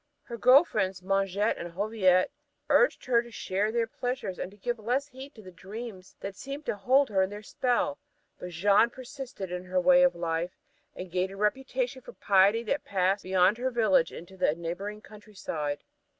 Her girl friends, Mengette and Hauviette, urged her to share their pleasures and to give less heed to the dreams that seemed to hold her in their spell, but Jeanne persisted in her way of life, and gained a reputation for piety that passed beyond her village into the neighboring countryside.